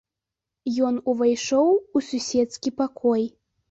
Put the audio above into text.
Ён увайшоў у суседскі пакой.